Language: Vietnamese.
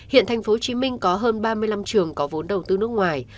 hiện tp hcm có hơn ba mươi năm trường có vốn đầu tư nước ngoài